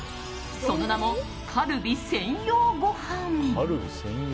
その名も、カルビ専用ごはん。